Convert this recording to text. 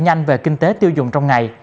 nhanh về kinh tế tiêu dụng trong ngày